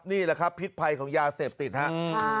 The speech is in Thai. นี่แหละครับพิษภัยของยาเสพติดครับ